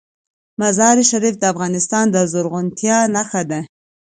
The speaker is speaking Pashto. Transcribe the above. مزارشریف د افغانستان د زرغونتیا نښه ده.